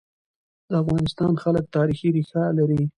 د افغانستان خلک تاریخي ريښه لري.